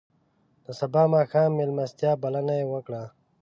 د سبا ماښام میلمستیا بلنه یې وکړه.